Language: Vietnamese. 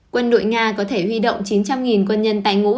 quân đội nga có thể huy động chín trăm linh quân nhân tài ngũ